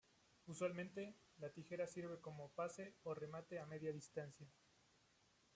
Usualmente, la tijera sirve como pase o remate a media distancia.